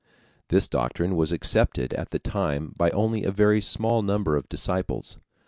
This doctrine was accepted at the time by only a very small number of disciples.